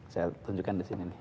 saya tunjukkan di sini nih